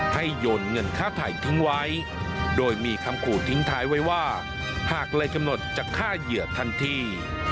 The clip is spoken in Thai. โยนเงินค่าไถ่ทิ้งไว้โดยมีคำขู่ทิ้งท้ายไว้ว่าหากเลยกำหนดจะฆ่าเหยื่อทันที